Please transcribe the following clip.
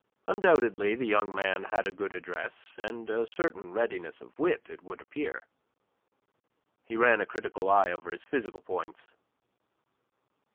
Undoubtedly the young man had a good address, and a certain readiness of wit, it would appear. He ran a critical eye over his physical points.